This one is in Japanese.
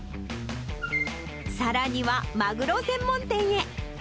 さらには、マグロ専門店へ。